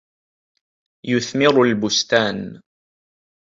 يُثْمِرُ الْبُسْتانُ.